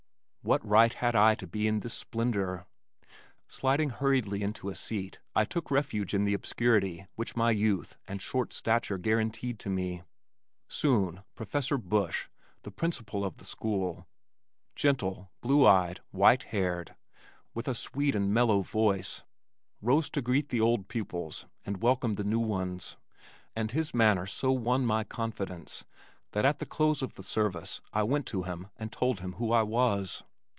What right had I to share in this splendor? Sliding hurriedly into a seat I took refuge in the obscurity which my youth and short stature guaranteed to me. Soon Professor Bush, the principal of the school, gentle, blue eyed, white haired, with a sweet and mellow voice, rose to greet the old pupils and welcome the new ones, and his manner so won my confidence that at the close of the service I went to him and told him who I was.